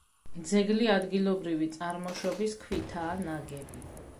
ძეგლი ადგილობრივი წარმოშობის ქვითაა ნაგები.